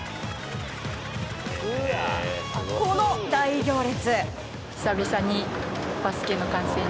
この大行列。